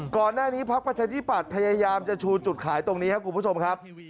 ก่อนหน้านี้ภักรณ์ประชาธิบัตรพยายามจะชูจุดขายตรงนี้ครับ